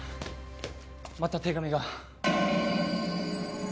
また手紙が。